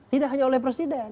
tidak hanya oleh presiden